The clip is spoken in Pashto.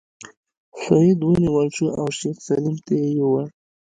سید ونیول شو او شیخ سلیم ته یې یووړ.